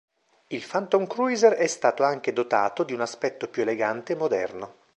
Il Phantom Cruiser è stato anche dotato di un aspetto più elegante e moderno.